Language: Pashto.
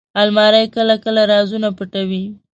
الماري کله کله رازونه پټوي